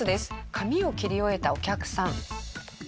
髪を切り終えたお客さん。